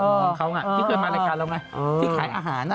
ของเขาที่เคยมารายการเราไงที่ขายอาหาร